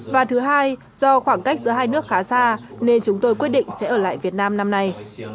và thứ hai do khoảng cách giữa hai nước khá xa nên chúng tôi quyết định sẽ ở lại việt nam năm nay